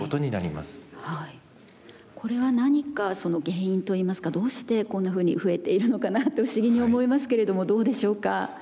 これは何かその原因といいますかどうしてこんなふうに増えているのかなと不思議に思いますけれどもどうでしょうか？